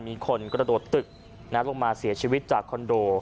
มีคนกระโดดตึกลงมาเสียชีวิตจากคอนโด